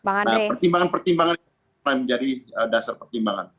nah pertimbangan pertimbangan yang menjadi dasar pertimbangan